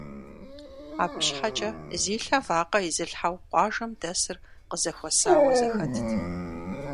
Абы щхьэкӀэ зи лъэ вакъэ изылъхьэу къуажэм дэсыр къызэхуэсауэ зэхэтт.